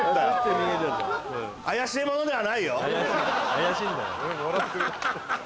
怪しいんだよ。